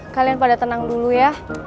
kalian pada tenang dulu ya